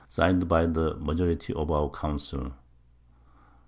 Signed by the Majority of our Council.